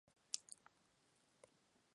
El siglo dorado de la pintura portuguesa.